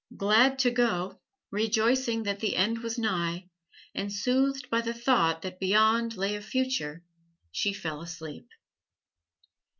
Glad to go, rejoicing that the end was nigh, and soothed by the thought that beyond lay a Future, she fell asleep.